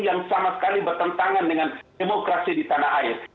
yang sama sekali bertentangan dengan demokrasi di tanah air